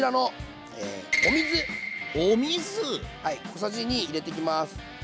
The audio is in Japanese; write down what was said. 小さじ２入れていきます。